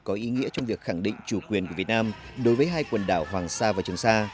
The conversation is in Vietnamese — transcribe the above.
có ý nghĩa trong việc khẳng định chủ quyền của việt nam đối với hai quần đảo hoàng sa và trường sa